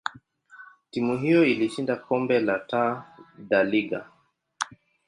timu hiyo ilishinda kombe la Taa da Liga.